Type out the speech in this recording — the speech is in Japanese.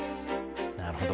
なるほど。